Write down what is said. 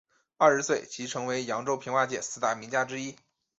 二十岁时即成为扬州评话界四大名家之一。